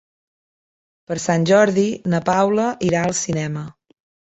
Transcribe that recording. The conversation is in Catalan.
Per Sant Jordi na Paula irà al cinema.